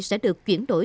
sẽ được chuyển đổi